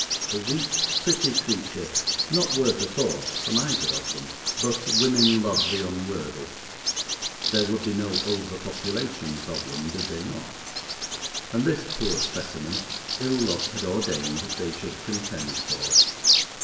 A weak, pretty creature not worth a thought from either of them; but women love the unworthy; there would be no over population problem did they not; and this poor specimen, ill luck had ordained they should contend for.